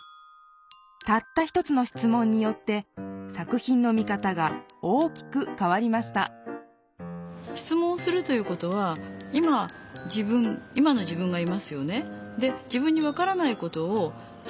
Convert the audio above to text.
「たった一つの質問」によって作品の見方が大きくかわりました質問をするということは今の自分がいますよね。